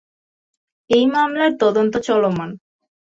এই মামলার তদন্ত চলমান।